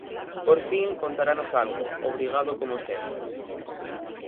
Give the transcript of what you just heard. ¡Por fin, contaranos algo!, obrigado como sempre.